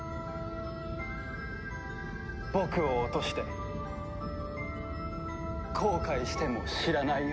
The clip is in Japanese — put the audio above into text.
僕を落として後悔しても知らないよ。